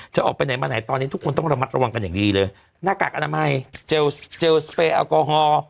จะไปไหนมาไหนตอนนี้ทุกคนต้องระมัดระวังกันอย่างดีเลยหน้ากากอนามัยเจลเจลสเปย์แอลกอฮอล์